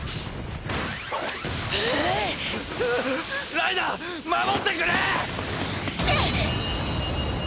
ライナー守ってくれ！！